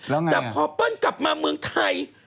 แต่พอเบิ้ลกลับมาเมืองไทย